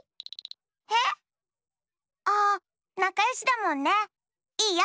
へえっ？あっなかよしだもんね。いいよ。